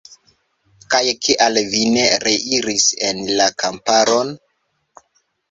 Kaj kial vi ne reiris en la kamparon?